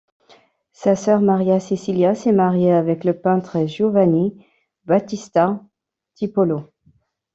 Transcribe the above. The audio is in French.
Sa sœur Maria Cecilia s'est mariée avec le peintre Giovanni Battista Tiepolo.